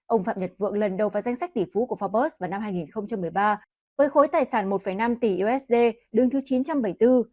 ông phạm nhật vượng lần đầu vào danh sách tỷ phú của forbes vào năm hai nghìn một mươi ba với khối tài sản một năm tỷ usd đứng thứ chín trăm bảy mươi bốn